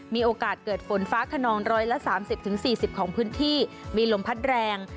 มีโอกาสเกิดฝนฟ้าขนอง๑๓๐๔๐ของพื้นที่มีลมพัดแรง